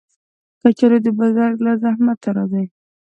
کچالو د بزګر له زحمته راځي